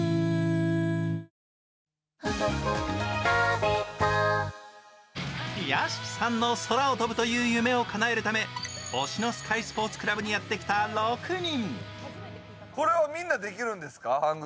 「ビオレ」屋敷さんの空を飛ぶという夢をかなえるため、忍野スカイスポーツ倶楽部にやってきた６人。